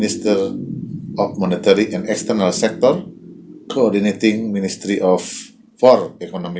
sektor moneter dan luar negara koordinator kementerian perhubungan ekonomi empat